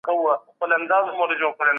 ښوونکی زدهکوونکي د پرلپسې زدهکړې لپاره هڅوي.